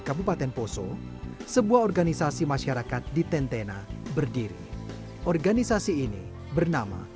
kabupaten poso sebuah organisasi masyarakat di tentena berdiri organisasi ini bernama